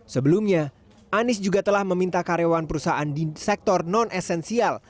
sebelumnya anies juga telah meminta karyawan perusahaan di sektor non esensial